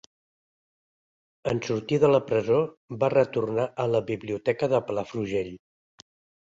En sortir de la presó, va retornar a la biblioteca de Palafrugell.